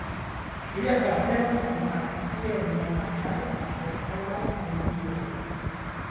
Ili apartenas al la tiel nomataj apostolaj familioj.